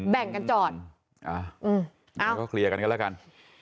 แบ่งกันจอดแล้วก็เคลียร์กันกันแล้วกัน